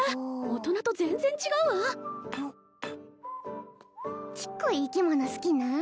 大人と全然違うわちっこい生き物好きなん？